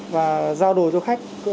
và giao đồ cho khách